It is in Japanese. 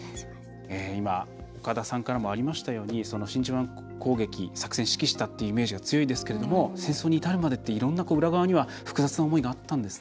今岡田さんからもありましたようにその真珠湾攻撃作戦指揮したっていうイメージが強いんですけれども戦争に至るまでっていろんな裏側には複雑な思いがあったんですね。